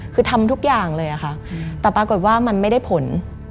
คือทำทุกอย่างเลยค่ะแต่ปรากฏว่ามันไม่ได้ผล